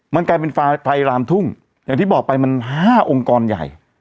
มันกลายเป็นไฟลามทุ่งอย่างที่บอกไปมัน๕องค์กรใหญ่